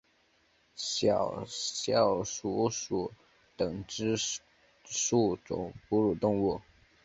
小啸鼠属等之数种哺乳动物。